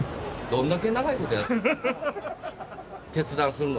どんだけ長いことやってるん。